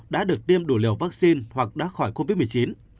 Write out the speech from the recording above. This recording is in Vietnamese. đã được tiêm đủ liều vaccine hoặc đã khỏi covid một mươi chín